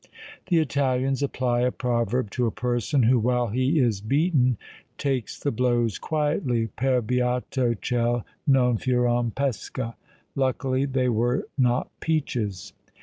The Italians apply a proverb to a person who while he is beaten, takes the blows quietly: Per beato ch' elle non furon pesche! Luckily they were not peaches!